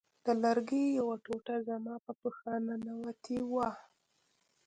د لرګي یوه ټوټه زما په پښه ننوتې وه